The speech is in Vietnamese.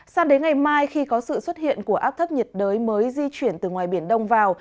sang đến ngày mai khi có sự xuất hiện của áp thấp nhiệt đới mới di chuyển từ ngoài biển đông vào